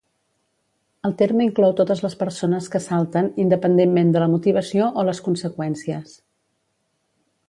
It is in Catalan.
El terme inclou totes les persones que salten, independentment de la motivació o les conseqüències.